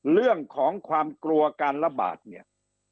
เรื่องของความกลัวการระบาดเนี่ย